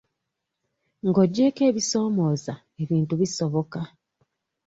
Ng'oggyeko ebisoomooza, ebintu bisoboka.